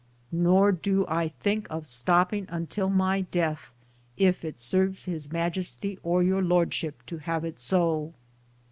Nor do I think of stopping until my death, if it serves His Majesty or Your Lordship to have it so.